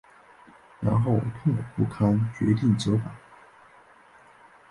然后痛苦不堪决定折返